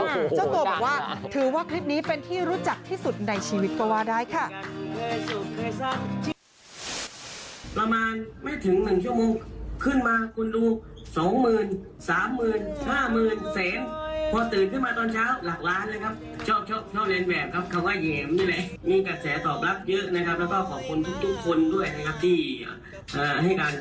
เจ้าตัวบอกว่าถือว่าคลิปนี้เป็นที่รู้จักที่สุดในชีวิตก็ว่าได้ค่ะ